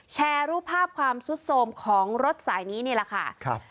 แชร์รูปภาพความสุดโสมของรถสายนี้นี่แหละค่ะครับ